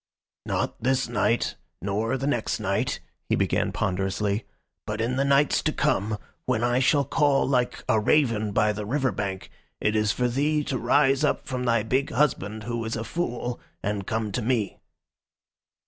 "Not this night, nor the next night," he began ponderously, "but in the nights to come, when I shall call like a raven by the river bank, it is for thee to rise up from thy big husband, who is a fool, and come to me.